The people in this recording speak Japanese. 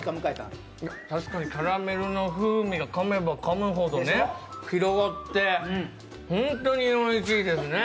確かにキャラメルの風味が、かめばかむほど広がって本当においしいですね。